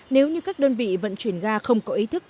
nếu như các đơn vị vận chuyển ga không có ý thức